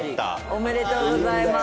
おめでとうございます。